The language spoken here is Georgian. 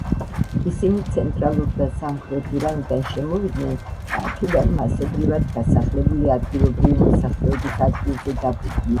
ისინი ცენტრალურ და სამხრეთ ირანიდან შემოვიდნენ და აქედან მასობრივად გასახლებული ადგილობრივი მოსახლეობის ადგილებზე დაფუძნდნენ.